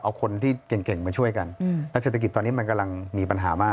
เอาคนที่เก่งมาช่วยกันและเศรษฐกิจตอนนี้มันกำลังมีปัญหามาก